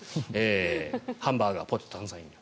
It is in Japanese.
ハンバーガー、ポテト炭酸飲料。